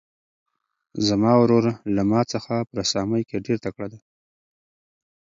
زما ورور له ما څخه په رسامۍ کې ډېر تکړه دی.